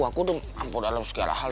aku udah ampo dalam segala hal